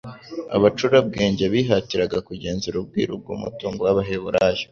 Abacurabwenge bihatiraga kugenzura ubwiru bw'umutungo w'Abaheburayo.